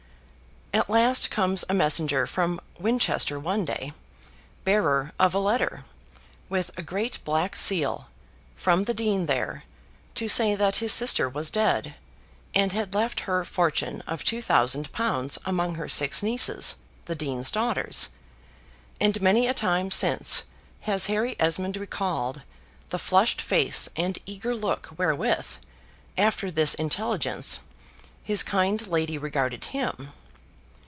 At last comes a messenger from Winchester one day, bearer of a letter, with a great black seal, from the Dean there, to say that his sister was dead, and had left her fortune of 2,000L. among her six nieces, the Dean's daughters; and many a time since has Harry Esmond recalled the flushed face and eager look wherewith, after this intelligence, his kind lady regarded him.